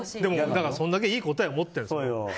だからそれだけいい答えを持ってるんだよ。